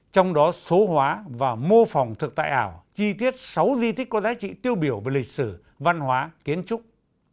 trong đó số hóa và mô phòng thực tại ảo chi tiết sáu di tích có giá trị tiêu biểu về lịch sử văn hóa kiến trúc